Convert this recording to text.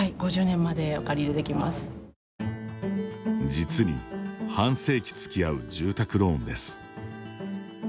実に半世紀つきあう住宅ローンです。